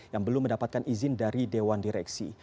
yang belum mendapatkan izin dari dewan direksi